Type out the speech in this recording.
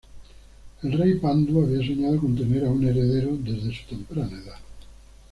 El Rey Pandu había soñado con tener a un heredero desde su temprana edad.